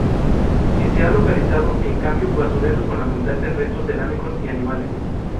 Si se ha localizado, en cambio, basureros con abundantes restos cerámicos y animales.